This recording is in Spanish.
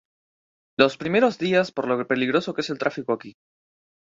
Los primeros días por lo peligroso que es el tráfico aquí.